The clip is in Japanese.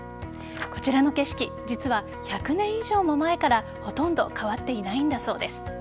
こちらの景色、実は１００年以上も前からほとんど変わっていないんだそうです。